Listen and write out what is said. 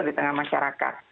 di tengah masyarakat